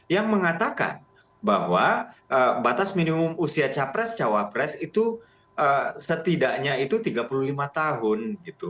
yang mengatakan bahwa batas minimum usia capres cawapres itu setidaknya itu tiga puluh lima tahun